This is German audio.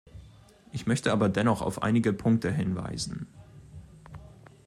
Ich möchte aber dennoch auf einige Punkte hinweisen.